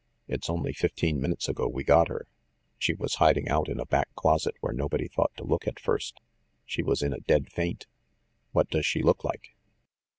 It's only fifteen minutes ago we got her. She was hid ing out in a back closet where nobody thought to look at first. She was in a dead faint." "What does she look like?"